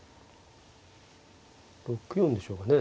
６四でしょうかね。